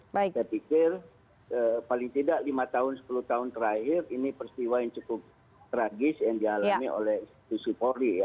saya pikir paling tidak lima tahun sepuluh tahun terakhir ini peristiwa yang cukup tragis yang dialami oleh institusi polri ya